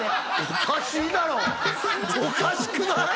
おかしいだろおかしくない！？